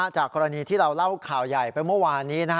จากกรณีที่เราเล่าข่าวใหญ่ไปเมื่อวานนี้